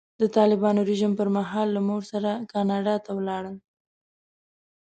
د طالبانو رژیم پر مهال له مور سره کاناډا ته ولاړل.